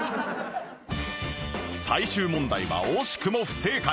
最終問題は惜しくも不正解